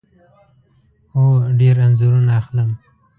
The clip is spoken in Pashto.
هو، ډیر انځورونه اخلم